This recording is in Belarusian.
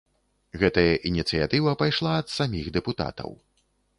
Гэтая ініцыятыва пайшла ад саміх дэпутатаў.